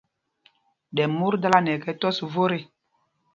Ɗɛ mot dala nɛ ɛkɛ́ tɔ́s vot ê.